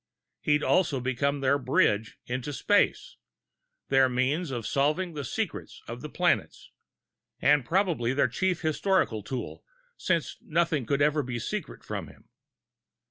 He'd also become their bridge into space, their means of solving the secrets of the planets, and probably their chief historical tool, since nothing could ever be secret from him.